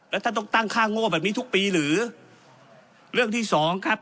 แล้วท่านต้องตั้งค่าโง่แบบนี้ทุกปีหรือเรื่องที่สองครับ